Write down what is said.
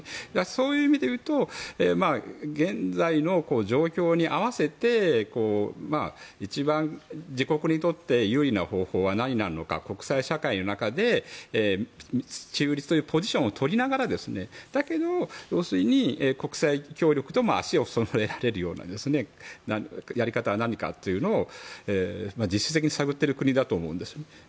そういう意味でいうと現在の状況に合わせて一番自国にとって有利な方法は何になるのか国際社会の中で中立というポジションを取りながらだけど、要するに国際協力とも足をそろえられるようなやり方は何かというのを実質的に探ってる国だと思うんです。